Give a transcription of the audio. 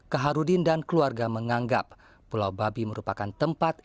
kaharudin dan keluarga menganggap pulau babi merupakan tempat